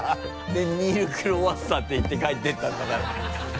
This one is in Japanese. で「ニールクロワッサ」って言って帰っていったんだから